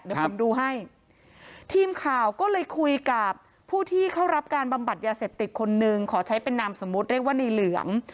เดี๋ยวผมดูให้ทีมข่าวก็เลยคุยกับผู้ที่เข้ารับการบำบัดยาเสพติดคนนึงขอใช้เป็นนามสมมุติเรียกว่าในเหลือง